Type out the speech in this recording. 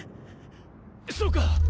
そうか！